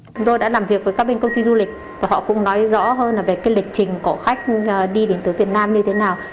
chúng tôi đã làm việc với các bên công ty du lịch và họ cũng nói rõ hơn về cái lịch trình của khách đi đến từ việt nam như thế nào